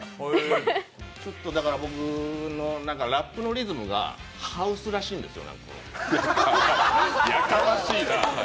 ちょっと僕のラップのリズムがハウスらしいんですよ。